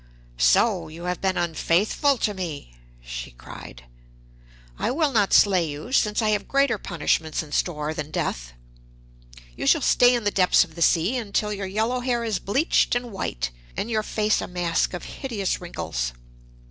'So! you have been unfaithful to me!' she cried. 'I will not slay you, since I have greater punishments in store than death.... You shall stay in the depths of the sea until your yellow hair is bleached and white, and your face a mask of hideous wrinkles.